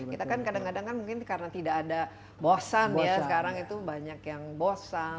kita kan kadang kadang kan mungkin karena tidak ada bosan ya sekarang itu banyak yang bosan